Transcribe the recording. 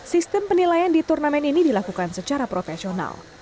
sistem penilaian di turnamen ini dilakukan secara profesional